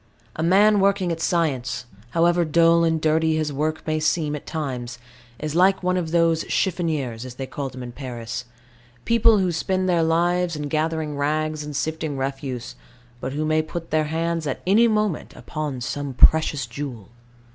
A man working at science, however dull and dirty his work may seem at times, is like one of those "chiffoniers," as they call them in Paris people who spend their lives in gathering rags and sifting refuse, but who may put their hands at any moment upon some precious jewel.